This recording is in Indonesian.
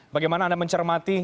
bagaimana anda mencermati